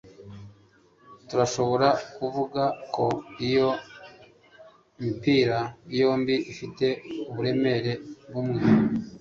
turashobora kuvuga ko iyo mipira yombi ifite uburemere bumwe